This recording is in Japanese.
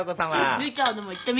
リチャードもいってみ。